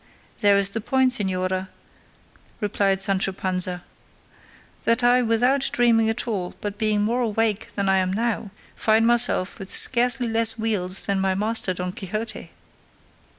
"There is the point, señora," replied Sancho Panza, "that I without dreaming at all, but being more awake than I am now, find myself with scarcely less wheals than my master, Don Quixote."